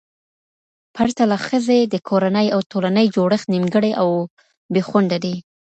پرته له ښځې، د کورنۍ او ټولنې جوړښت نیمګړی او بې خونده دی